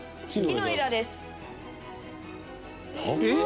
「えっ？」